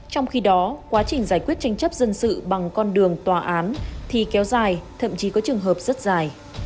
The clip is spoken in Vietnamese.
trong khi đó quá trình giải quyết tranh chấp dân sự bằng con đường tòa án thì kéo dài thậm chí có trường hợp rất dài